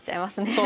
そう。